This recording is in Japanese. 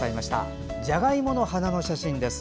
じゃがいもの花の写真です。